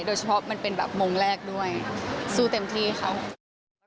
โดยเฉพาะมันเป็นแบบโมงแรกด้วยสู้เต็มที่ครับ